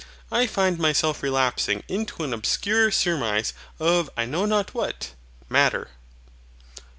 I find myself relapsing into an obscure surmise of I know not what, MATTER.